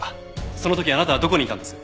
その時あなたはどこにいたんです？